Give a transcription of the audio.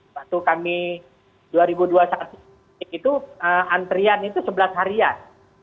waktu kami dua ribu dua puluh satu itu antrian itu sebelas harian